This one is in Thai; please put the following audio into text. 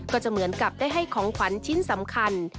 ก็จะเหมือนกับได้ให้ของขวัญชิ้นสำคัญ